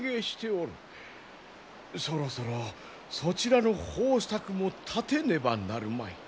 そろそろそちらの方策も立てねばなるまい。